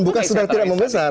bukan sudah tidak membesar